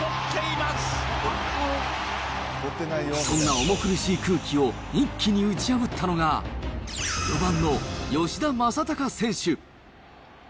そんな重苦しい空気を一気に打ち破ったのが、４番の吉田正尚選手。